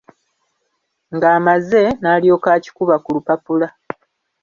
Ng'amaze, n'alyoka akikuba ku lupapula.